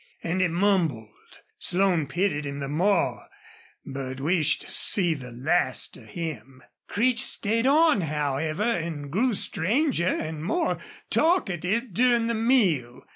And he mumbled. Slone pitied him the more, but wished to see the last of him. Creech stayed on, however, and grew stranger and more talkative during the meal.